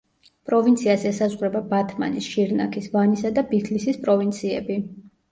პროვინციას ესაზღვრება ბათმანის, შირნაქის, ვანისა და ბითლისის პროვინციები.